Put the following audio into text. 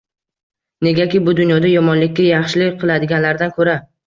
Negaki, bu dunyoda yomonlikka yaxshilik qiladiganlardan ko’ra